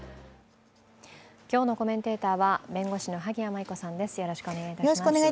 今日のコメンテーターは弁護士の萩谷麻衣子さんです。